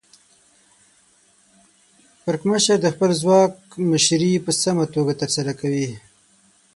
پرکمشر د خپل ځواک مشري په سمه توګه ترسره کوي.